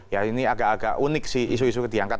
ya ini agak agak unik sih isu isu diangkat